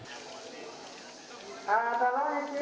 jadi kita bisa membuatnya lebih mudah